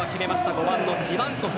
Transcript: ５番のジバンコフ。